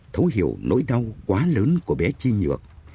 thấu hiểu nỗi đau quá lớn của bé chi nhược